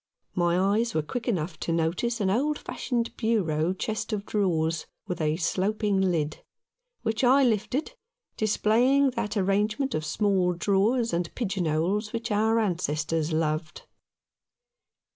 My eyes were quick enough to notice an old fashioned bureau chest of drawers with a sloping lid, which I lifted, displaying that arrangement of small drawers and pigeon holes which our ancestors loved.